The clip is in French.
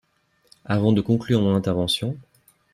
Avant de conclure mon intervention